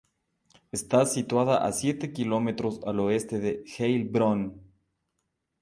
Está situada a siete kilómetros al oeste de Heilbronn.